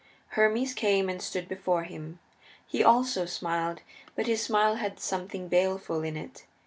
Hermes came and stood before him. He also smiled, but his smile had something baleful in it.